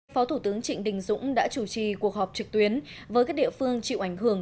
phó thủ tướng trịnh đình dũng đã chủ trì cuộc họp trực tuyến với các địa phương chịu ảnh hưởng